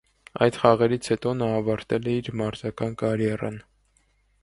Այդ խաղերից հետո նա ավարտել է իր մարզական կարիերան։